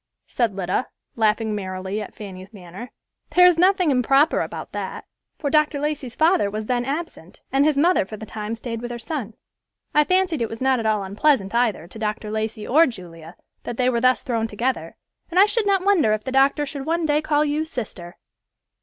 said Lida, laughing merrily at Fanny's manner. "There is nothing improper about that, for Dr. Lacey's father was then absent, and his mother, for the time, stayed with her son. I fancied it was not at all unpleasant either to Dr. Lacey or Julia, that they were thus thrown together, and I should not wonder if the doctor should one day call you sister!"